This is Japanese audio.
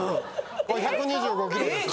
これ１２５キロの時。